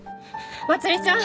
まつりちゃん！？